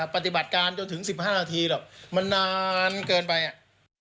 ปฏิบัติการจนถึง๑๕นาทีหรอกมันนานเกินไปอ่ะ